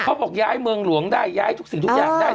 บอกย้ายเมืองหลวงได้ย้ายทุกสิ่งทุกอย่างได้